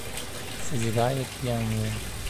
Sizi gayet iyi anlıyorum.